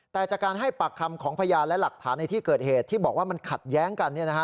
แต่จากการให้ปากคำของพยานและหลักฐานในที่เกิดเหตุที่บอกว่ามันขัดแย้งกัน